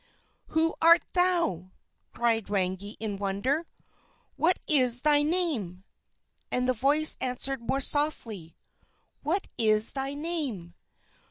"Who art thou?" cried Rangi in wonder. "What is thy name?" And the voice answered more softly: "What is thy name?"